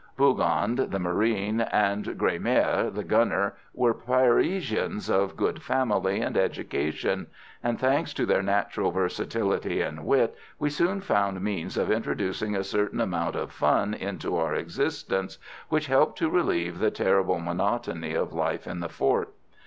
Bougand, the marine, and Gremaire, the gunner, were Parisians of good family and education; and, thanks to their natural versatility and wit, we soon found means of introducing a certain amount of fun into our existence, which helped to relieve the terrible monotony of life in the fort.